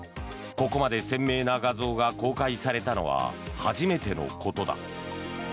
ここまで鮮明な画像が公開されたのは初めてのことだ。